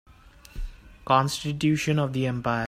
Constitution of the empire.